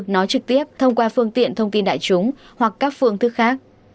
nói trực tiếp thông qua phương tiện thông tin đại chúng hoặc các phương thức khác